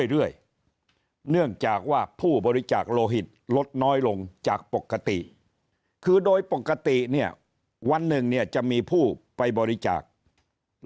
เนื่องจากว่าผู้บริจาคโลหิตลดน้อยลงจากปกติคือโดยปกติเนี่ยวันหนึ่งเนี่ยจะมีผู้ไปบริจาค